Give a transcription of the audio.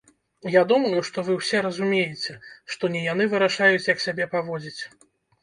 Я думаю, што вы ўсе разумееце, што не яны вырашаюць, як сябе паводзіць.